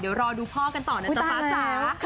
เดี๋ยวรอดูพ่อกันต่อนะจ๊ะฟ้าจ๊ะ